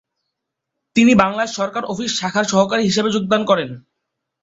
তিনি বাংলাদেশ সরকার অফিস শাখার সহকারী হিসাবে যোগদান করেন।